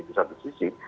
di satu sisi